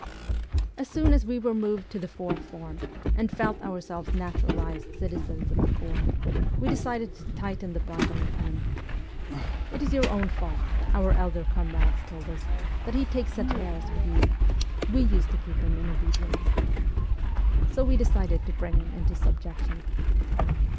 As soon as we were moved to the fourth form, and felt ourselves naturalized citizens of the corps, we de cided to tighten the bridle upon him. ' It is your own fault,' our elder comrades told us, ' that he takes such airs with you ; we used to keep him in obedience.' So we decided to bring him into subjection.